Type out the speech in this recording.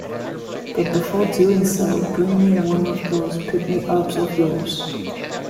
But before doing so, bring me one of those pick-me-ups of yours.